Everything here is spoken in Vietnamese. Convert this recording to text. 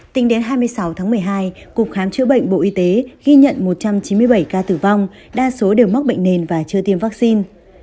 tính đến hai mươi sáu tháng một mươi hai cục khám chữa bệnh bộ y tế ghi nhận một trăm chín mươi bảy ca tử vong đa số đều mắc bệnh nền và chưa tiêm vaccine